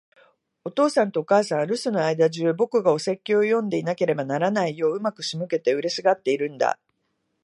お父さんとお母さんは、留守の間じゅう、僕がお説教を読んでいなければならないように上手く仕向けて、嬉しがっているんだ。